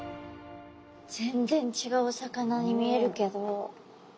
全然ちがうお魚に見えるけど。